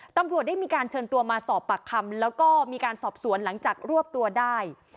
ตำรวจได้มีการเชิญตัวมาสอบปากคำแล้วก็มีการสอบสวนหลังจากรวบตัวได้